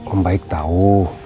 om baik tau